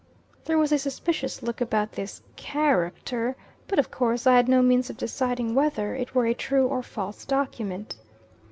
There was a suspicious look about this "char_ac_ter;" but of course I had no means of deciding whether it were a true or false document.